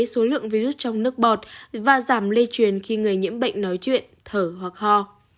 số lượng virus trong nước bọt và giảm lây truyền khi người nhiễm bệnh nói chuyện thở hoặc ho